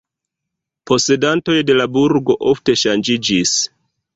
Posedantoj de la burgo ofte ŝanĝiĝis.